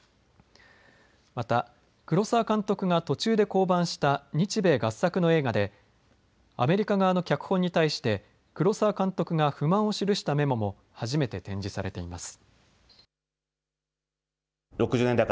また黒澤監督が途中で降板した日米合作の映画で、アメリカ側の脚本に対して黒澤監督が不満を記したメモも初めて展示されています。